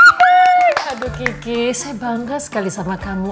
aduh kiki saya bangga sekali sama kamu